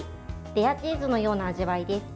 レアチーズのような味わいです。